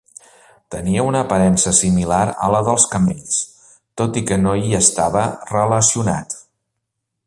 Tenia una aparença similar a la dels camells, tot i que no hi estava relacionat.